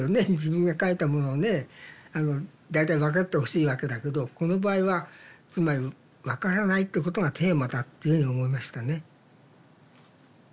自分が書いたものをね大体わかってほしいわけだけどこの場合はつまりわからないってことがテーマだっていうふうに思いましたね。